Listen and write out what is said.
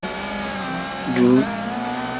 Duuu.